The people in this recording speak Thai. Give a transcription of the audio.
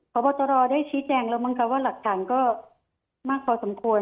พบตรได้ชี้แจงแล้วมั้งคะว่าหลักฐานก็มากพอสมควร